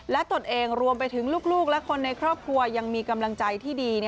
ตนเองรวมไปถึงลูกและคนในครอบครัวยังมีกำลังใจที่ดี